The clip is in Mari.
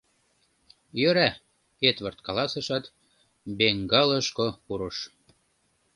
— Йӧра, — Эдвард каласышат, бенгалошко пурыш.